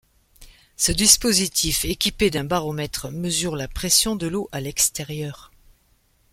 Ce dispositif, équipé d'un baromètre, mesure la pression de l'eau à l'extérieur.